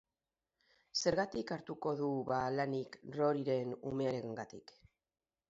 Zergatik hartuko du ba lanik Roryren umearengatik?